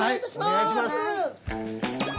お願いします。